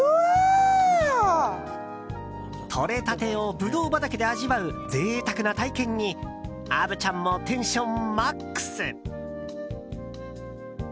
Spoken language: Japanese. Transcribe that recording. とれたてをブドウ畑で味わう贅沢な体験に虻ちゃんもテンションマックス。